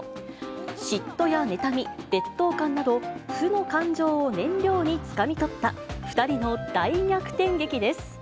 嫉妬や妬み、劣等感など、負の感情を燃料につかみ取った、２人の大逆転劇です。